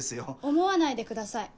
思わないでください。